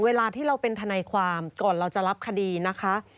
เวลาที่เราเป็นทนายความก่อนเราจะรับคดีนะคะ